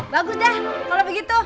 bagus dah kalo begitu